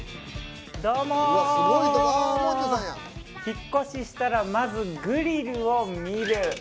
引っ越ししたらまずグリルを見る。